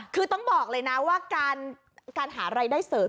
คือต้องบอกเลยนะว่าการหารายได้เสริม